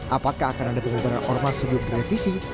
apakah akan ada pengubahan ormas sebelum direvisi